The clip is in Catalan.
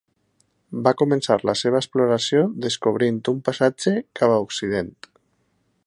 Va començar la seva exploració descobrint un passatge cap a occident.